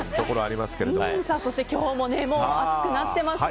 そして今日も暑くなっています。